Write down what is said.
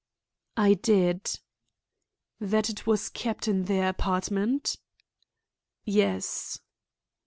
"I did." "That it was kept in their apartment?" "Yes."